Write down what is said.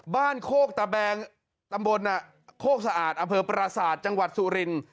บ้านโคกตะแบงตำบลน่ะโคกสะอาดอเภอปราศาจจังหวัดสุรินทร์